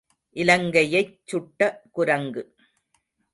இலங்கையைச் சுட்ட குரங்கு.